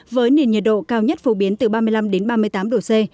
với nền nhiệt độ cao nhất phổ biến từ ba mươi năm ba mươi tám độ c